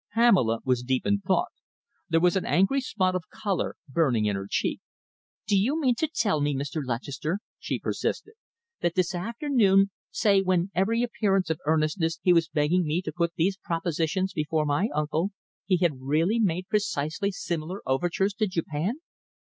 Pamela was deep in thought. There was an angry spot of colour burning in her cheek. "Do you mean to tell me, Mr. Lutchester," she persisted, "that this afternoon, say, when with every appearance of earnestness he was begging me to put these propositions before my uncle, he had really made precisely similar overtures to Japan?"